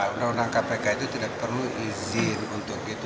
undang undang kpk itu tidak perlu izin untuk itu